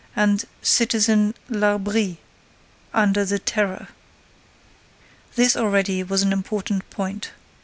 and Citizen Larbrie, under the Terror. This already was an important point.